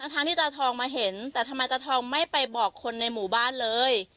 ทั้งที่ตาทองมาเห็นแต่ทำไมตาทองไม่ไปบอกคนในหมู่บ้านเลย